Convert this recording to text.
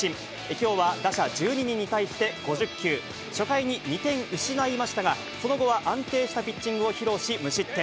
きょうは打者１２人に対して５０球、初回に２点失いましたが、その後は安定したピッチングを披露し、無失点。